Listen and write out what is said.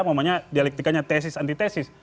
namanya dialektikanya tesis anti tesis